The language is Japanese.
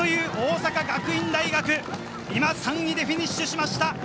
大阪学院大学、今３位でフィニッシュしました。